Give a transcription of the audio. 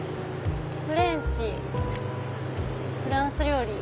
フレンチフランス料理。